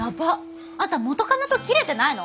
あんた元カノと切れてないの？